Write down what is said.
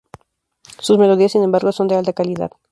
Sus melodías sin embargo son de alta calidad.